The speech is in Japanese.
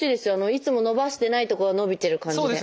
いつも伸ばしてないとこが伸びてる感じで。